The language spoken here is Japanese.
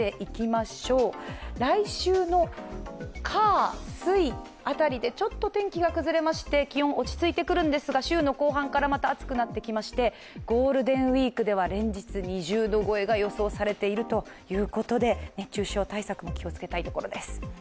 来週の火・水辺りでちょっと天気が崩れまして気温落ち着いてくるんですが週の後半からまた暑くなってきまして、ゴールデンウイークでは連日２０度超えが予想されているということで熱中症対策も気をつけたいところです。